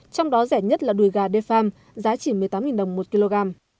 trong đó rẻ nhất là đùi gà defam giá chỉ một mươi tám đồng